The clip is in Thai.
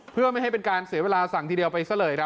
เพื่อไม่ให้เป็นการเสียเวลาสั่งทีเดียวไปซะเลยครับ